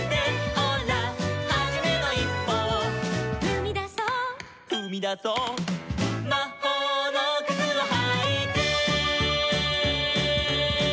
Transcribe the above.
「ほらはじめのいっぽを」「ふみだそう」「ふみだそう」「まほうのくつをはいて」